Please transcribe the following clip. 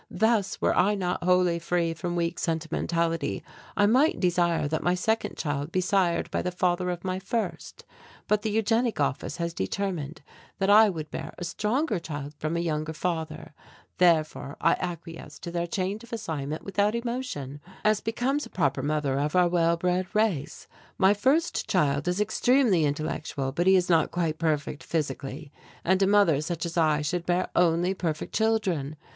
Thus, were I not wholly free from weak sentimentality, I might desire that my second child be sired by the father of my first, but the Eugenic Office has determined that I would bear a stronger child from a younger father, therefore I acquiesced to their change of assignment without emotion, as becomes a proper mother of our well bred race. My first child is extremely intellectual but he is not quite perfect physically, and a mother such as I should bear only perfect children.